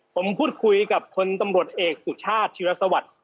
ผมพูดคุยกับคนตำรวจเอกสุชาติธิรสวัสดิ์